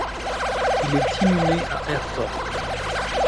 Il est inhumé à Hereford.